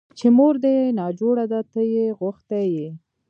چې مور دې ناجوړه ده ته يې غوښتى يې.